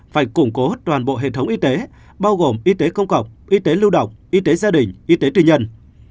phải củng cố toàn bộ hệ thống y tế bao gồm y tế công cọc y tế lưu độc y tế gia đình y tế tùy nhân